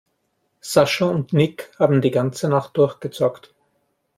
Sascha und Nick haben die ganze Nacht durchgezockt.